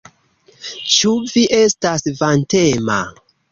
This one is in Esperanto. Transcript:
Ĉu vi estas vantema?